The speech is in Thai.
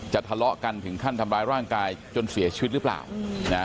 ทะเลาะกันถึงขั้นทำร้ายร่างกายจนเสียชีวิตหรือเปล่านะ